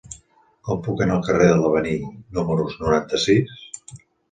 Com puc anar al carrer de l'Avenir número noranta-sis?